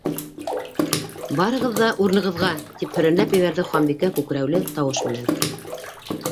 —Барығыҙ ҙа урынығыҙға! —тип һөрәнләп ебәрҙе Ханбикә күкрәүле тауыш менән.